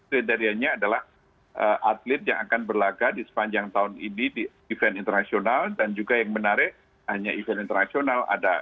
kriterianya adalah atlet yang akan berlaga di sepanjang tahun ini di event internasional dan juga yang menarik hanya event internasional